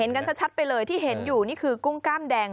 กันชัดไปเลยที่เห็นอยู่นี่คือกุ้งกล้ามแดง